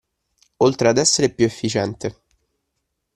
Oltre ad essere più efficiente.